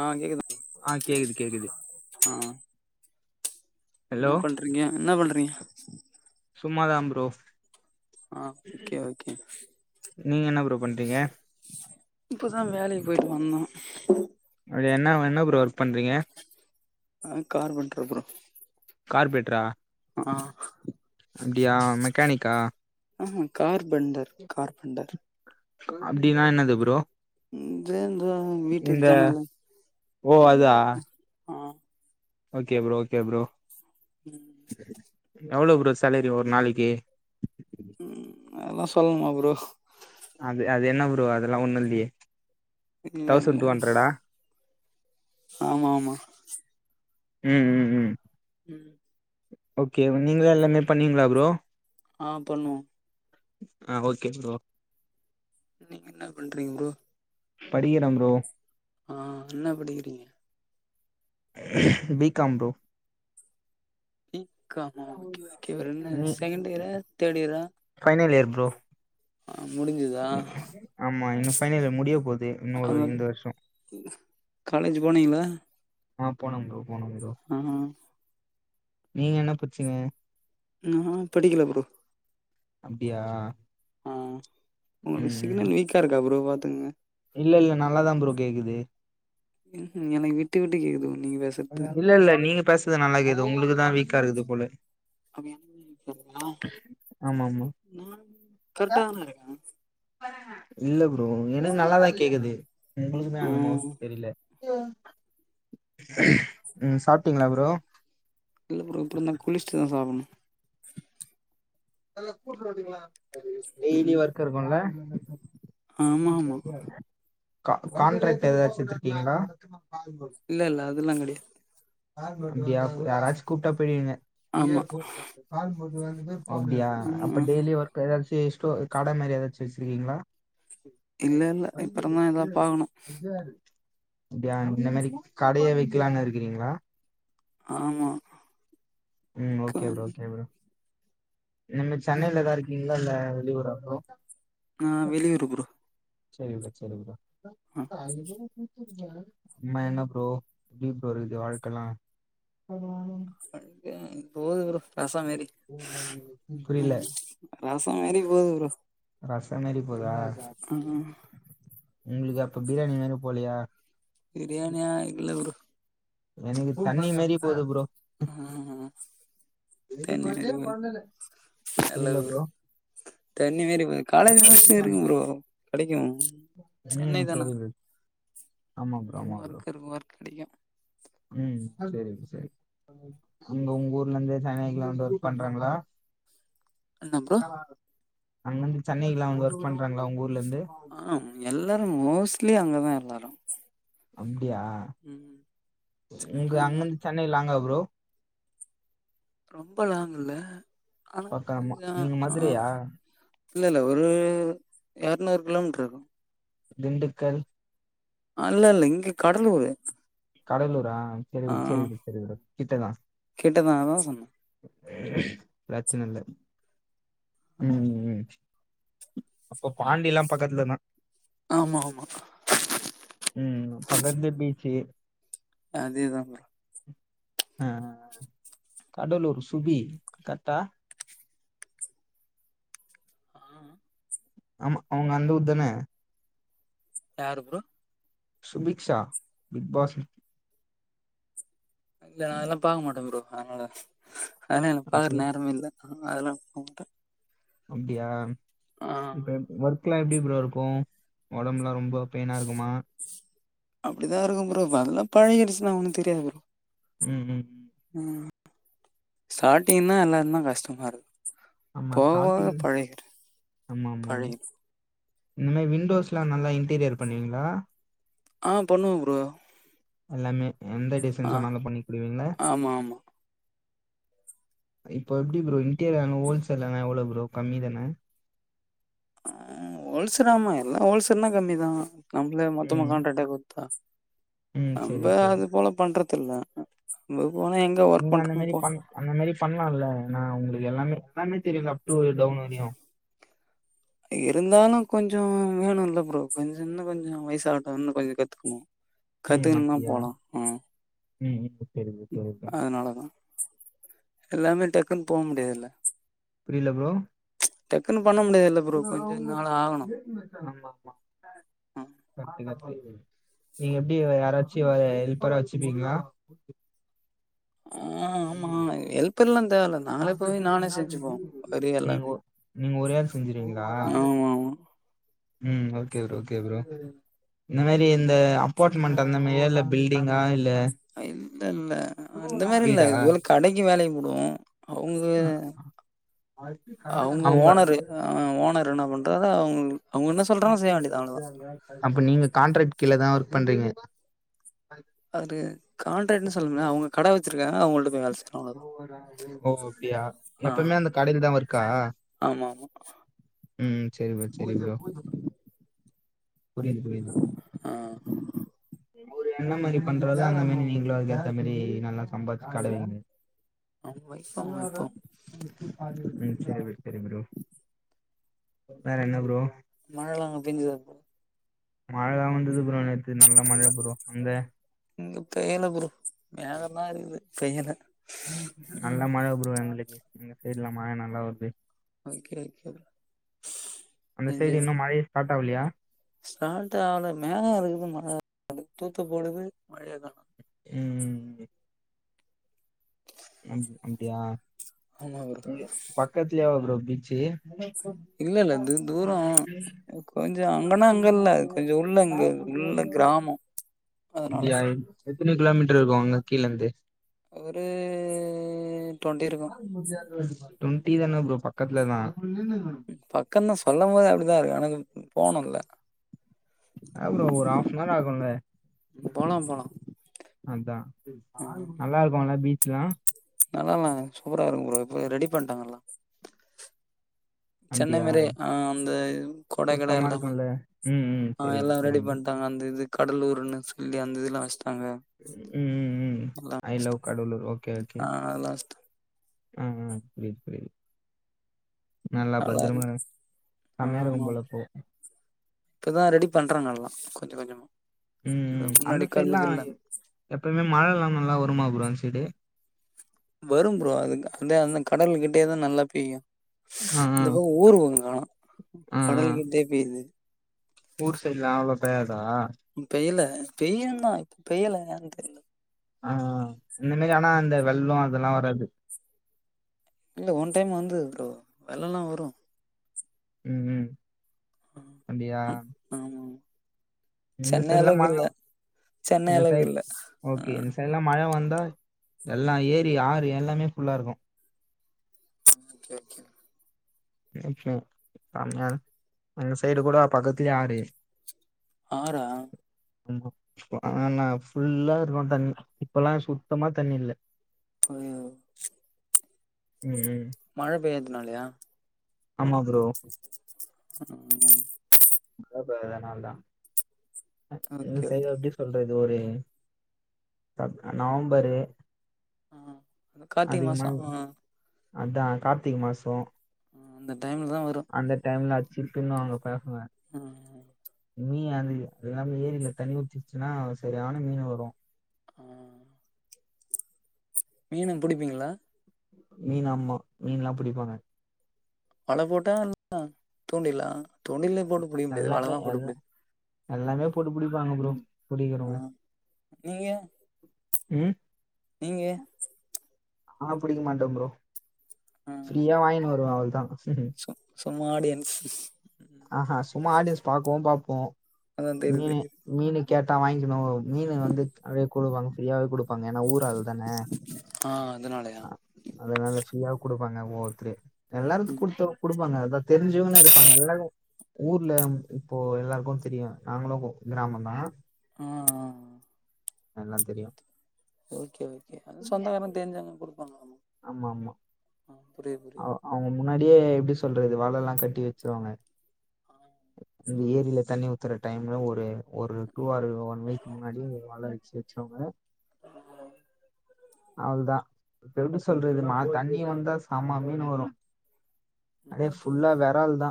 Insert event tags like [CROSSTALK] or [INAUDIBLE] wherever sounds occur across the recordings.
ஆ கேக்குதா ஆ கேக்து கேக் ஆ ஹலோ என்ன பண்றீங்க என்ன பண்றீங்க சும்மாதா ப்ரோ ஆ ஓகே ஓகே நீங்க என்ன ப்ரோ பண்றீங்க இப்பதா வேலைக்கு போயிட்டு வந்தோ அப்டியா என்ன என்ன ப்ரோ ஒர்க் பண்றீங்க ஆ கார்பன்டர் ப்ரோ கார்ப்ரேட்ரா ஆ மெக்கானிக்கா ஆ ஹு கார்பென்டர் கார்பென்டர் அப்டினா என்னது ப்ரோ அது இந்த வீட்டு இந்த ஜனல்லு ஓ அதா ஆ ஓகே ப்ரோ ஓகே ப்ரோ ம் எவ்ளோ ப்ரோ சேலரி ஒரு நாளைக்கு ம் அதல்லா சொல்ணுமா ப்ரோ அது அது என்ன ப்ரோ அதுல்லா ஒண்ணுல்லயே இல்ல இல்ல தௌசண்ட் டூ ஹண்ட்ரடா ஆமா ஆமா ம் ம் ம் ம் ஓகே நீங்களா எல்லாமே பண்ணீங்களா ப்ரோ ஆ பண்ணுவோ ஆ ஓகே ப்ரோ நீங்க என்ன பண்றீங்க ப்ரோ படிக்கிற ப்ரோ ஆ என்ன படிக்கிறீங்க பி காம் ப்ரோ பி காமா ஓகே ஓகே ப்ரோ என்ன நீ செகண்ட் இயரா தேட் இயரா ஃபைனல் இயர் ப்ரோ ஆ முடிஞ்சுதா ஆமா இன்னு ஃபைனல் இயர் முடியப் போது இன்னொரு அதா இந்த வருஷோ காலேஜ் போனீங்களா ஆ போனே ப்ரோ போனே ப்ரோ ஆ நீங்க என்ன பட்ச்சீங்க நா படிக்கல ப்ரோ அப்டியா ஆ உங்களுக்கு சிக்னல் வீக்கா இருக்கா ப்ரோ பாத்துக்கங்க இல்லல்ல நல்லாதா ப்ரோ கேக்குது ம்ஹு எனக்கு விட்டு விட்டு கேக்குது நீங்க பேஸ்றது இல்லல்ல நீங்க பேசுறது நல்லா கேக்குது உங்களுக்குதா வீக்கா இருக்குது போல அ ஆமா ஆமா நான் கரெக்டா தானே இருக்கேன் இல்ல ப்ரோ எனக்கு நல்லாதா கேக்குது உங்களுக்குதா ஆ அந்தம தெரியல க்ஷம் சாப்பிட்டீங்களா ப்ரோ இல்ல ப்ரோ அப்றந்தா குளிச்ச்சிட்டு சாப்புட்ணு டெய்லி ம் ஒர்க் இருங்குல்ல ஆமா ஆமா கா கான்ட்ராக்ட் ஏதாச்சு வச்சிருக்கீங்களா இல்லல்ல அதெல்லா கெடையாது அப்டியா யாராச்சு கூப்ட்டா போய்டுவிங்க ஆமா அப்டியா ஆமா அப்ப ஆமா டெய்லி ஒர்க் ஏதாச்சும் ஸ்டோர் கட மாரி ஏதாச்சு வச்சிருக்கீங்களா இல்ல இல்ல இப்பறந்தா எதா பாக்ணு யாரு அப்டியா இந்த மாரி கடையை வைக்கலான்னு இருக்கிறீங்களா ஆமா ம் க ஓகே ப்ரோ ஓகே ப்ரோ நம்ம ஆ சென்னையில தா இருக்கீங்களா இல்ல வெளியூரா ப்ரோ நா வெளியூருப்ரோ செரிங்கா சேரிங்கா ஆ அம்மா என்ன ப்ரோ [UNINTELLIGIBLE] வாழ்க்கை ப்ரோ இருக்குது வாழ்க்கலாம் [UNINTELLIGIBLE] போது ப்ரோ ரசொ மேறி புரியில்ல ரசொ மாறி போது ப்ரோ ரசொ மாறி போதா ஆ உங்குளுக்கு அப்ப பிராணி மாரி போலையா பிரியாணியா இல்ல ப்ரோ எனக்கு தண்ணி மாறியை போது ப்ரோ ஆ தண்ணி மேரி போது நல்லது ப்ரோ தண்ணி மாரி போது காலேஜ் [UNINTELLIGIBLE] தெரியு ப்ரோ கெடைக்கூ ம் செரி ப்ரோ ஆமா ப்ரோ ஆமா ப்ரோ ஒர்க் இருக்கு ஒர்க் கெடைக்கூ ம் செரி ப்ரோ செரி ப்ரோ அங்க உங்க ஊர்ல இருந்தே ஜநங்கல்லா வந்து ஒர்க் பண்றாங்களா என்ன ப்ரோ அங்கருந்து சென்னை எல்லா வந்து ஒர்க் பண்றாங்களா உங்க ஊர்லந்து ஆ எல்லாரு மோஸ்ட்லி அங்கதா எல்லாரு அப்டியா ம் உங்க சென்னை தா அங்கந்து சென்னை லாங்கா ப்ரோ ரொம்ப லாங் இல்ல ஆனா பக்கமா கொஞ்சொ நீங்க அ மதுரையா இல்ல இல்ல ஒரு எர்நூறு கிலோமீட்டர் இருக்கூ திண்டுக்கல் அல்ல அல்ல இங்க கடலூர்ரு கடலூரா சரி விடு சரி விடு சரி விடு கிட்டதா கிட்டதா அதா சொன்னே பிரச்சன இல்ல ம் ம் அப்ப பாண்டில்லாம் பக்கத்துல தா ஆமா ஆமா ம் பக்கத்து பீச்சி அதேதா ப்ரோ அ அ அ கடலூர் சுபி கர்ட்டா ஆ ஆமா அவுங்க அந்த ஊர்தான யாரு ப்ரோ சுபிக்ஷ்ஷா பிக்பாஸ் இல்ல நா அதெல்லா பாக்க மாட்டே ப்ரோ அதனால அதெல்லா பாக்ற அப்டியா நேரமே இல்ல ஆ அதெல்லா பாக்க மாட்டே அப்டியா ஆ இப்ப ஒர்க் லா எப்டி ப்ரோ இருக்கூ ஒடம்புலா ரொம்ப பெய்னா இருக்குமா அப்டிதா இருக்கூ ப்ரோ தல்லா பழகிடுச்சுன்னா ஒண்ணு தெரியாது ப்ரோ ம் ம் ம் சாட்டிங்ன்னா எல்லாருந்தா கஷ்டமா இருக் ஆமா போவ போக ஸ்டார்டிங் பழகிடு பழகிடு இந் மாரி விண்டோஸ்லா நல்லா இன்டீரியர் பண்ணுவிங்ளா ஆ பண்ணுவ ப்ரோ எல்லாமே எந்த டிசைன் ஆ சொன்னாலு பண்ணி குடுவீங்ள ஆமா ஆமா இப்போ எப்டி ப்ரோ இன்டீரியர்னா ஹோல்சேல்ன எவ்ளோ ப்ரோ கம்மி தான ஆ ஓல்சர் ஆமா எல்லா ஓல்சர்னா கம்மிதா நம்ளே மொத்தமா ம் கான்ட்ரக்டா குடுத்தா ம் நம்ப செரி செரி அது போல பண்றது ல்ல நம்ப போனா எங் நீங்க அந்த மாரி பண் அந்த மாரி பண்லால ஆனா உங்களுக்கு எல்லாமே எல்லாமே தெரியுல அப் டூ டவுன் வரையு இருந்தாலு கொஞ்சோ வேணுல்ல ப்ரோ கொஞ்சோ இன்னு கொஞ்சோ வயசாட்டு இன்னு கொஞ்சோ கத்துக்கணு ம் கத்துக்கணுன்னா அப்டியா போலா ம் ம் செரி ப்ரோ செரி ப்ரோ அதனாலதா எல்லாமே டக்குன்னு போ முடியாதுல புரில ப்ரோ டக்குன்னு பண்ண முடியாதுல்ல ப்ரோ கொஞ்ச நாள் ஆகணு ம் ஆமா நீங்க எப்டி யாராச்சு ஹெல்பரா வச்சிப்பீங்களா ஆ ஆமா எல்ப்பர்ல்லா தேவல நாங்ளே போய் நானே செஞ்சுப்போ வரி நீங்க எல்லாமே ஒ நீங்க ஒரே ஆள் செஞ்சிருவீங்ளா ஆமா ஆமா ம் ஓகே ப்ரோ ஓகே ப்ரோ இந்த மாரி இந்த அப்பாட்மெண்ட் அந்த மாறியா இல்ல பில்டிங்கா இல்ல இல்ல இல்ல அந்த மாரி இல்ல வீடா இது போல கடைக்கு வேலைக்கு போடுவோ அவுங்க அவுங்க ஓனரு அ ஓனர் என்ன பண்றாரோ அவுங்க அவுங்க என்ன சொல்றாங் செய்ய வேண்டியதா அவ்ளதா அப்ப நீங்க கான்ட்ராக்ட் கீழதா ஒர்க் பண்றீங்க அது கான்ட்ரட்னு சொல்லல அவுங்க கட வச்சிருக்காங்க அவங்கள்ட்ட போய் வேல செய்றே ஓ அப்டியா ஆ எப்பமே அந்த கடைல தா ஒர்க்கா ஆமா ஆமா ம் செரி ப்ரோ செரி ப்ரோ புரிது புரிது ஆ அவரு என்ன மாரி பண்றாரோ அந்த மாரி நீங்களு அதுக்கேத்த மாரி நல்லா சம்பாச்சி கட வைங்க ஆமா இப்போ ஆமா இப்போ [UNINTELLIGIBLE] ம் சரி ப்ரோ சரி ப்ரோ வேற என்ன ப்ரோ மழலா அங்க பேஞ்சுதா ப்ரோ மழலா வந்தது ப்ரோ நேத்து நல்ல மழ ப்ரோ அங்க இங்க பெய்யல ப்ரோ மேகமா இருக்குது பெய்யல நல்ல ம் மழ ப்ரோ எங்களுக்கு எங்க சைடு்ல மழ நல்லா வருது ஓகே ஓகே ப்ரோ அந்த என்ஜாய் சைடு பண் இன்னு மழையே ஸ்டார்ட் ஆவலயா ஸ்டார்ட் ஆவல மேக இருக்குது மழ தூத்து போடுது மழைய காணோ ம் அம் அப்டியா ஆமா ப்ரோ பக்கத்துலயா ப்ரோ பீச்சி இல்ல இல்ல இது தூரோ கொஞ்சோ அங்கன்னா அங்க இல்ல கொஞ்சோ உள்ள இங்க உள்ள கிராம அதனால அப்டியா எத்தன கிலோமீட்ர் இருக்குர அங்க கீழந்து ஒரு டொண்டி இருக்கு டொண்டி தான ப்ரோ பக்கத்துலதா பக்கதா சொல்லுபோது அப்டித்தா இருக்கு எனக்கு போணும்ல்ல ஆவு ப்ரோ ஒரு ஆஃபனவர் ஆகும்ல போலா போலா அதா ஆ நல்லாருக்குல்ல பீச்லா நல்லால சூப்பரா இருக்கு ப்ரோ இப்ப ரெடி பண்ணிட்டாங்கலா சென்னை அப்டியா மாரியே ஆ அந்த கொட கட சுத்தமா எல்லாமே இருக்குல்ல ம் ம் ஆ சரி ப்ரோ எல்லமே சரி ரெடி ப்ரோ பண்ணிடாங்க அந்த இது கடலூர்ன்னு சொல்லி அந்த இதுல்லா வச்ட்டாங்க ம் ம் ம் அ எல்லா ஐ லவ் வச்டாங்க கடலூர் ஆ எல்லா வச் அ புரிது புரிது நல்ல பத்ரம நல்லாருக்கு செம்மையா இருக்கு ஆமா போல அப்போ இப்பதா ரெடி பண்றாங்க எல்லா கொஞ்ச கொஞ்சமா ம் இந்த ம் அந்த முன்னாடி கல்லு சைட்லா கில்லா எப்பயுமே மழ நல்ல வருமா ப்ரோ அந்த சைடு வரு ப்ரோ அதுக்கு அத அந்த கடல கிட்டேதா நல்லா பெய்யு ஆ ஆ இந்த பக்கோ ஊர்பக்கோ காணு ஆ ஆ கடல் கிட்டே பெய்து ஊர் சைட்லா அவ்ளோவா பேய்யாதா பெய்யல பெய்யதா இப்ப பெய்யல ஏன்னு தெரில ஆ இந்த மேரி ஆனா இந்த வெள்ளோ அதெல்லா வராது இல்ல ஒன் டைம் வந்துது ப்ரோ வெல்லா வரு ம் ம் அப்டியா ஆனா ஆமா சென்னை சைட்லாம் அளவுக்கு மழை இல்ல சென்னை இந்த அளவுக்கு சைட் இல்ல ஆ ஓகே இந்த சைட்லா மழ வந்தா எல்லா ஏரி ஆறு எல்லாமே ஃபுல்லா இருக்கு [UNINTELLIGIBLE] ம் கம்மியாத அங்க சைடு கூட பக்கத்துலியே ஆரு ஆரா கொங்கக் ஆனா என்னா ஃபுல்லாருக்கு தண்ணி இப்பல்லா சுத்தமா தண்ணி இல்ல [UNINTELLIGIBLE] ம் மழை பெய்யாதுனாலயா ஆமா ப்ரோ ம் ரோட்லா இருக்றதே நாந்தா அ ஓகே சேரி ஓகே அப்டியே சொல்றது ஒரே நவம்பரு ஆ அந்த கார்த்திகை அதிகமா மாசம் ஆ அதா கார்த்திக மாசோ அந்த டைம்ல தா வரு அந்த டைம்ல அச்சிருகுன்னுவாங்க பேசவ அ அஹ மீன் அது எல்லாமே ஏரியில்ல தண்ணி ஊத்திச்சுன்னா செரியான மீனு வரு ஆ மீன புடிப்பீங்ளா மீன் ஆம மீன்லா புடிபாங்க வலை போட்டா இல்ல தூண்டில்லா தூண்டில்லே போட்டு புடிக முடியாது எல்லாமே வலதா போட்டு எல்லா புடிக் எல்லாமே போட்டு புடிப்பாங்க ப்ரோ புடிக்கிறவங்க புடிப்போம் ஆ நீங்க ம் நீங்க ஆ புடிக்க மாட்டோ ப்ரோ ஃப்ரீயா வாங்கினு வருவே அவ்ள்தா சம் சும்மாடியன்ஸ் ஆஹ சும்மா ஆடியன்ஸ் பாக்கவு பாப்போ அதா தெரிது மீனு தெரிது மீனு கேட்டா வாங்கணு மீனு வந்து அப்டியே குடுப்பாங்க ஃப்ரீயாவே குடுப்பாங்க ஏனா ஊராள் தான ஆ அதனாலயா அ அதுனால ஃப்ரீயா குடுப்பாங்க ஒவ்வொத்தரு எல்லாருக்கு ம் குடுத்துரு குடுப்பாங்க அதா தெருஞ்சவுங்களா இருப்பாங்கல்ல ஊர்ல இப்போ எல்லாருக்கு தெரியு நாங்களு கிராமந்தா ஆ ஆ எல்லா தெரியு ஓகே ஓகே அது சொந்தக்காரங்க தெருஞ்சவுங்க குடுப்பாங்க ஆமா ஆமாமா புரியுது அ புரியுது அவுங்க முன்னாடியே எப்டி சொல்றது வாழல்லா கட்டி வச்சுருவாங்க இந்த ஏரில தண்ணி ஊத்துற டைம்ல ஒரு ஒரு டூ ஆறு ஒன் வீக் முன்னாடி வளரிச் ஜெய்சவங்க அவ்ளதா இப்ப எப்டி சொல்றது மாடு தண்ணி வந்தா செம்ம மீனு வரு அதே ஓகே ஃபுல்லா ஓகே வெறால் தா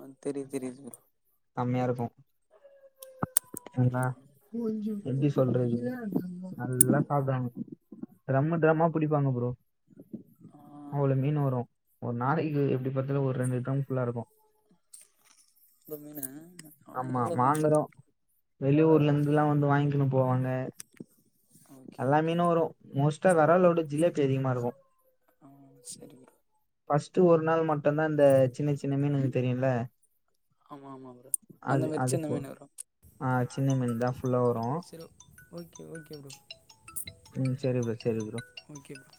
ஆ தெரிது தெரிது ப்ரோ கம்மியா இருக்கு நண்பா எப்டி சொல்றது நல்லா சாப்டுவாங்க ட்ரம்மு டரம்மா புடிப்பாங்க ப்ரோ ஆ அவ்ளோ மீன் வரு ஒரு நாளக்கி எப்டி பாத்தாலு ஒரு ரெண்டு ட்ரம் ஃபுல்லா இருக்கு அவ்ளோ மீனு ஆமா வாங்குறோ வெளி ஊர்ல இருந்துல்லா வந்து வாங்க்கிணு போவாங்க ஓகே எல்லா ஓகே மீனு வரு மோஸ்ட்டா வெறாலோட ஜிலேபி அதிகமா இருக்கு ம் சரி ப்ரோ பஸ்ட்டு ஒரு நாள் மட்டுந்தா இந்த சின்ன சின்ன மீனிருக்கு தெரியுல்ல ஆமா ஆமா ப்ரோ அந்த அது மாரி அது சின்ன போ மீனு ப்ரோ ஆ சின்ன மீன் தா ஃபுல்லா வரு சரி ஓகே ஓகே ப்ரோ ம் சரி ப்ரோ சரி ப்ரோ ஓகே ப்ரோ